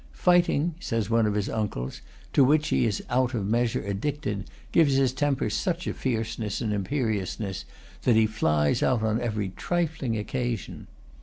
"Fighting," says one of his uncles, "to which he is out of measure addicted, gives his temper such a fierceness and imperiousness, that he flies out on every trifling occasion."